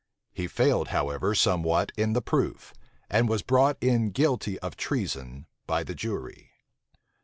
He failed, however, somewhat in the proof; and was brought in guilty of treason by the jury.